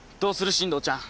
進藤ちゃん。